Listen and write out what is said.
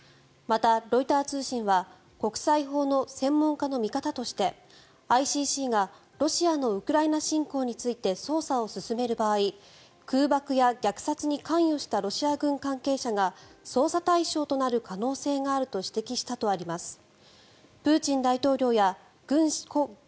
また、ロイター通信は国際法の専門家の見方としてＩＣＣがロシアのウクライナ侵攻について捜査を進める場合空爆や虐殺に関与したロシア軍関係者が捜査対象となる可能性があると指摘したとあります。